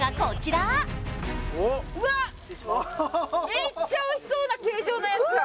めっちゃおいしそうな形状のやつだ